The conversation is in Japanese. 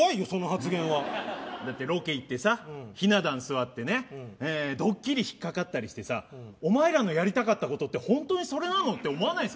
だってロケ行ってさ、ひな壇座ってね、ドッキリ引っかかったりしてさ、おまえらのやりたいことって本当にそれなのって思うじゃん？